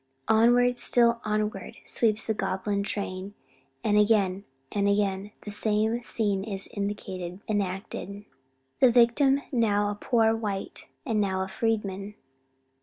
Onward, still onward sweeps the goblin train, and again and again the same scene is enacted, the victim now a poor white, and now a freedman.